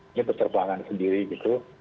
ini penerbangan sendiri gitu